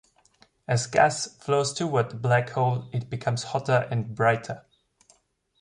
As gas flows toward the black hole, it becomes hotter and brighter.